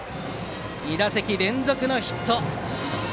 ２打席連続のヒット、高木。